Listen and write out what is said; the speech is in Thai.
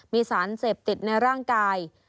มีสารเสพติดในร่างกาย